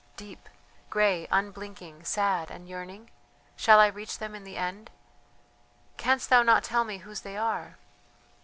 deep, grey, unblinking, sad, and yearning? So I shall reach them in the end! Canst thou not tell me whose they are?"